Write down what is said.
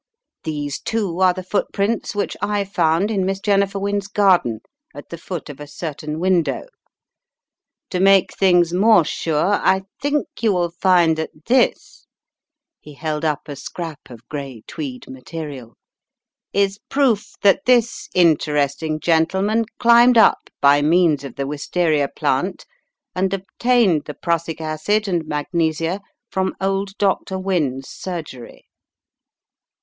These, too, are the footprints which I found in Miss Jennifer Wynne's garden, at the foot of a certain window. To make things more sure, I think you will find that this" — he held up a scrap of gray tweed material — "is proof that this interest ing gentleman climbed up by means of the wistaria plant, and obtained the prussic acid and magnesia from old Dr. Wynne's surgery."